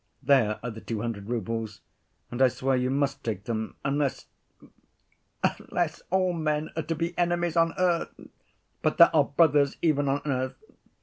There are the two hundred roubles, and I swear you must take them unless—unless all men are to be enemies on earth! But there are brothers even on earth....